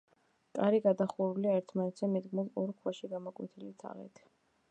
კარი გადახურულია ერთმანეთზე მიდგმულ ორ ქვაში გამოკვეთილი თაღით.